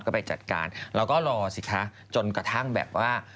ก็ไปจัดการจนกระทั่งแบบว่า